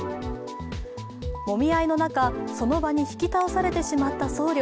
もみ合いの中、その場に引き倒されてしまった僧侶。